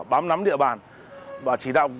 bám nắm địa bàn và chỉ đạo